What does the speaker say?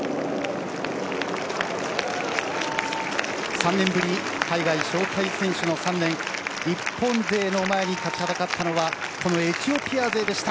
３年ぶりに海外招待選手の３名日本勢の前に立ちはだかったのはこのエチオピア勢でした。